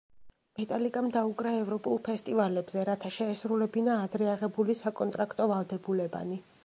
მეტალიკამ დაუკრა ევროპულ ფესტივალებზე, რათა შეესრულებინა ადრე აღებული საკონტრაქტო ვალდებულებანი.